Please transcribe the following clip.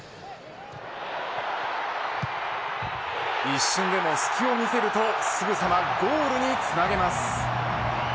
一瞬でも隙を見せるとすぐさまゴールにつなげます。